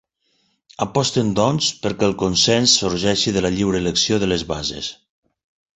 Aposten doncs perquè el consens sorgeixi de la lliure elecció de les bases.